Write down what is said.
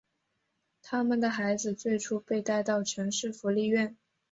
他们的孩子最初被带到城市福利院。